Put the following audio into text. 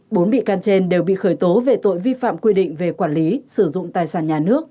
bốn bị can trên đều bị khởi tố về tội vi phạm quy định về quản lý sử dụng tài sản nhà nước